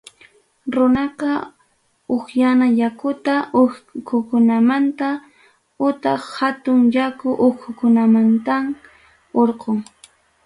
Runaqa upyana yakuta pukyukunamanta utaq hatun yaku uchkunamantam hurqun.